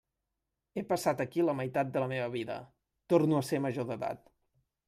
He passat aquí la meitat de la meva vida, torno a ser major d'edat.